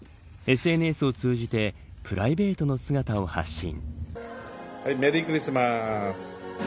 ＳＮＳを通じてプライベートの姿を発信。